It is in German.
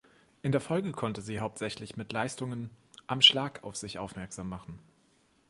In der Folge konnte sie hauptsächlich mit Leistungen am Schlag auf sich aufmerksam machen.